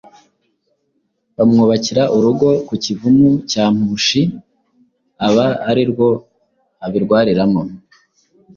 bamwubakira urugo ku Kivumu cya Mpushi aba ari rwo abirwariramo